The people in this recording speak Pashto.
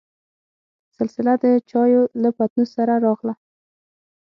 سلسله دچايو له پتنوس سره راغله.